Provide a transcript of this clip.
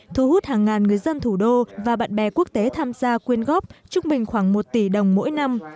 thu hút hàng ngàn người dân thủ đô và bạn bè quốc tế tham gia quyên góp trung bình khoảng một tỷ đồng mỗi năm